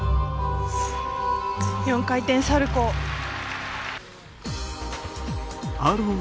４回転サルコウ。